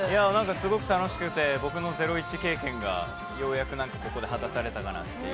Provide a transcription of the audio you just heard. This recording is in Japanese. すごく楽しくて僕のゼロイチ経験がようやくここで果たされたな。